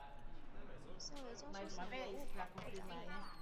现为江苏省文物保护单位。